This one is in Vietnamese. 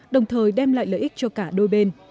đồng thời đem lại lợi ích cho cả đôi bên